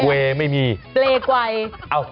เกวไม่มีเกวกวัย